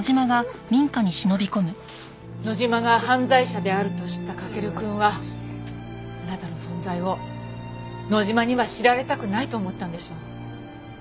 野島が犯罪者であると知った駆くんはあなたの存在を野島には知られたくないと思ったんでしょう。